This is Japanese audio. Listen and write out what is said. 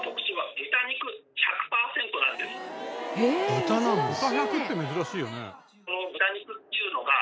豚１００って珍しいよね。